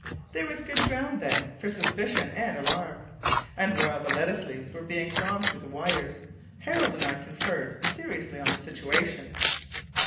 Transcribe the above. There was good ground, then, for suspicion and alarm; and while the lettuce leaves were being drawn through the wires, Harold and I conferred seriously on the situation.